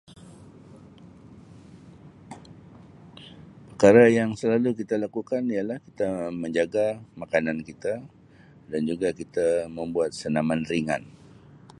Perkara yang selalu kita lakukan ialah kita menjaga makanan kita dan juga kita membuat senaman ringan.